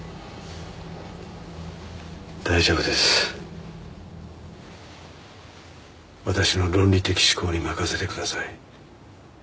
大丈夫です私の論理的思考に任せてください